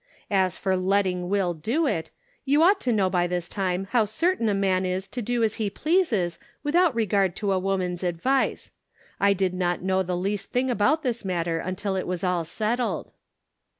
As for letting Will do it, you ought to know by this time how certain a man is to do as he pleases without regard to a woman's advice. I did not know the least thing about this matter until it was all settled."